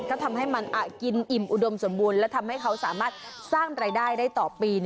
ก็ทำให้มันกินอิ่มอุดมสมบูรณ์และทำให้เขาสามารถสร้างรายได้ได้ต่อปี